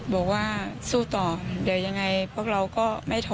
บอกว่าสู้ต่อเดี๋ยวยังไงพวกเราก็ไม่ท้อ